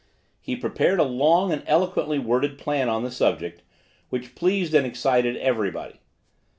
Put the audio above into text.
He prepared a long and eloquently worded plan on this subject, which pleased and excited every body.